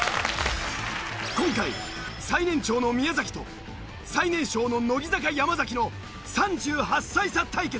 今回最年長の宮崎と最年少の乃木坂山崎の３８歳差対決。